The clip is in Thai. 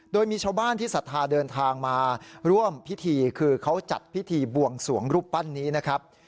โดยมีชาวบ้านที่ศรัทธาเดินทางมาร่วมพิธีคือเขาจัดพิธีบวงสวงรูปปั้นนี้นะครับ